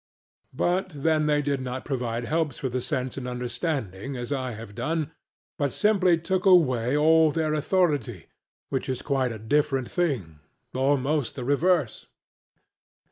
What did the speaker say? But then they did not provide helps for the sense and understanding, as I have done, but simply took away all their authority: which is quite a different thing almost the reverse.